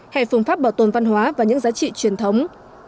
hay phương pháp bảo tồn văn hóa và những giá trị truyền thống